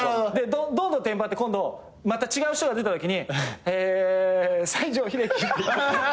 どんどんテンパって今度違う人が出たときに「え西城秀樹」って。